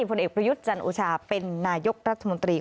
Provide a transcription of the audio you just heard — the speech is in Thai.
ผลเอกประยุทธ์จันโอชาเป็นนายกรัฐมนตรี